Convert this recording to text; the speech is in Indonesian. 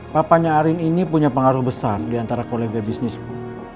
papanya arin ini punya pengaruh besar diantara kolega bisnismu